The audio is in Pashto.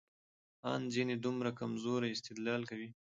ان ځينې دومره کمزورى استدلال کوي،